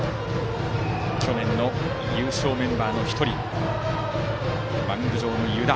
去年の優勝メンバーの１人マウンド上の湯田。